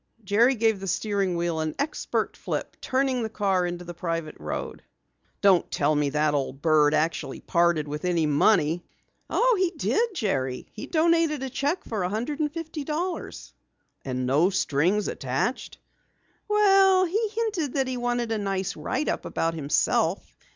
Jerry gave the steering wheel an expert flip, turning the car into the private road. "Don't tell me that old bird actually parted with any money!" "Oh, he did, Jerry. He donated a cheque for a hundred and fifty dollars." "And no strings attached?" "Well, he hinted that he wanted a nice write up about himself.